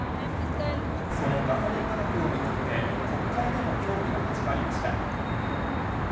そのガソリン価格を巡って国会でも協議が始まりました。